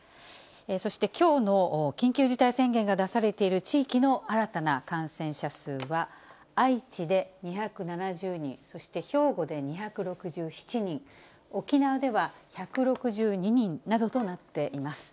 そしてきょうの緊急事態宣言が出されている地域の新たな感染者数は、愛知で２７０人、そして兵庫で２６７人、沖縄では１６２人などとなっています。